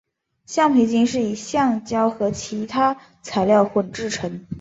橡皮筋是以橡胶和其他材料混合制成的。